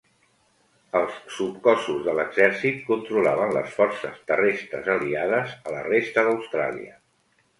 Els subcossos de l'exèrcit controlaven les forces terrestres aliades a la resta d'Austràlia.